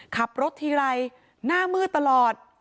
ขับรถทีไรหน้ามืดตลอด